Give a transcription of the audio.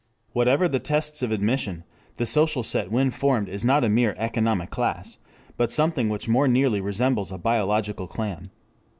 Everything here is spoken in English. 3 Whatever the tests of admission, the social set when formed is not a mere economic class, but something which more nearly resembles a biological clan.